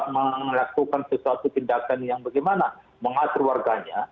melakukan sesuatu tindakan yang bagaimana mengatur warganya